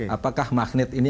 apakah magnet ini